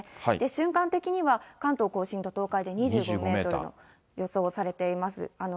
瞬間的には関東甲信と東海で２５メートル、予想されています。